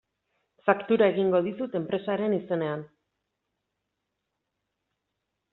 Faktura egingo dizut enpresaren izenean.